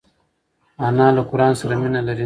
انا له قران سره مینه لري